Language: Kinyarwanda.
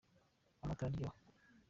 amata araryoha